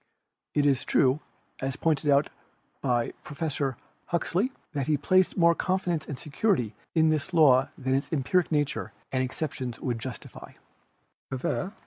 But it is true, as pointed out by Professor Hux ley, that he placed more confidence and security in this law than its empiric nature and exceptions would justify.